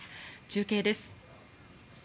中継です。